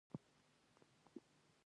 له مخې د دنیا به خاندې ،پالې به حالات